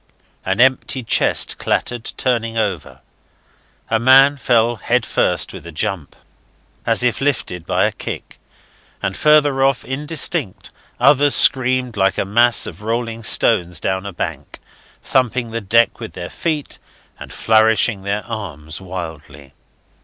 An empty chest clattered turning over; a man fell head first with a jump, as if lifted by a kick; and farther off, indistinct, others streamed like a mass of rolling stones down a bank, thumping the deck with their feet and flourishing their arms wildly.